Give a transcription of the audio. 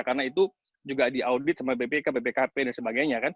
karena itu juga diaudit sama bpk bpkp dan sebagainya